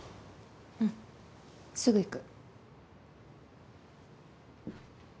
うんすぐ行く。